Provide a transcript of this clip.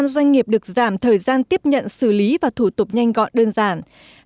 một mươi doanh nghiệp được giảm thời gian tiếp nhận xử lý và thủ tục nhanh gọn đơn giản